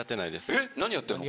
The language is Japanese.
えっ何やってんの？